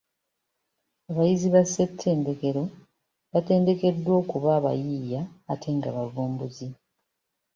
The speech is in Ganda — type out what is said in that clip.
Abayizi ba ssetendekero bateekeddwa okuba abayiiya ate nga bavumbuzi.